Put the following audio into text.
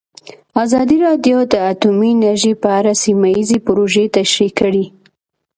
ازادي راډیو د اټومي انرژي په اړه سیمه ییزې پروژې تشریح کړې.